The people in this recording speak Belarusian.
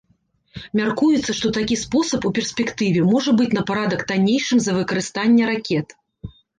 Мяркуецца, што такі спосаб у перспектыве можа быць на парадак таннейшым за выкарыстанне ракет.